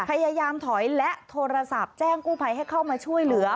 พยายามถอยและโทรศัพท์แจ้งกู้ภัยให้เข้ามาช่วยเหลือ